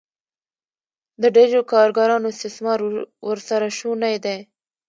د ډېرو کارګرانو استثمار ورسره شونی دی